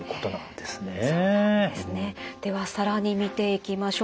では更に見ていきましょう。